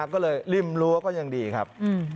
ก็เลยริ่มรั้วก็ยังดีครับ